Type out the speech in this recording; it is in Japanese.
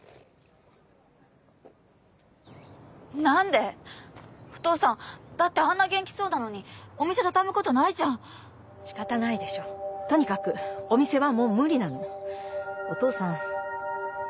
なんで⁉お父さんだってあんな元気そうなのにお店畳むことないじゃんしかたないでしょとにかくお店はもう無理なのお父さん